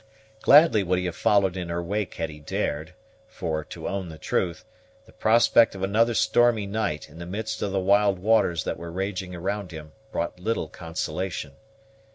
Gladly would he have followed in her wake had he dared; for, to own the truth, the prospect of another stormy night in the midst of the wild waters that were raging around him brought little consolation.